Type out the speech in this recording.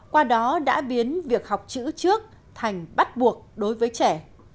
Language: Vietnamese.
qua đó đã biến việc học chữ trước thành bắt buộc đối với trẻ